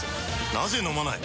なぜ飲まない？